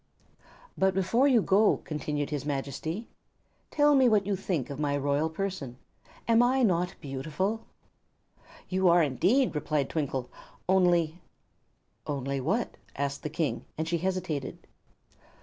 "But, before you go," continued his Majesty, "tell me what you think of my royal person. Am I not beautiful?" "You are, indeed," replied Twinkle; "only " "Only what?" asked the King, as she hesitated.